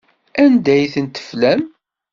Anda ay ten-teflam?